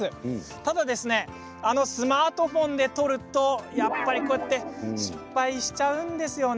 ただ、スマートフォンで撮るとやっぱりこうやって失敗しちゃうんですよね。